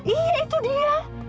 iya itu dia